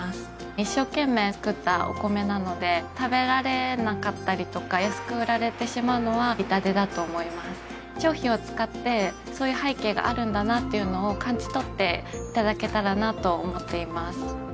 一生懸命作ったお米なので食べられなかったりとか安く売られてしまうのは痛手だと思います商品を使ってそういう背景があるんだなっていうのを感じとっていただけたらなと思っています